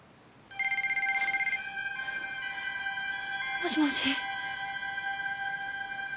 もしもし？